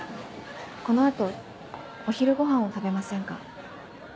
この後お昼ご飯を食べませんか？